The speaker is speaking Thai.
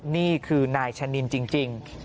นี่คือนายชะนินจริง